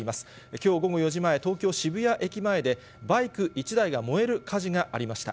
きょう午後４時前、東京・渋谷駅前で、バイク１台が燃える火事がありました。